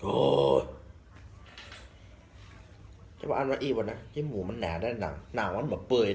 โอ้วโอ้วเจ้าบ้านไอ้ปเปาะนะเจ้าหมูมันแหน่ะได้หนังหนังมันปะเปลืยได้